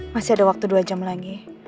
masih ada waktu dua jam lagi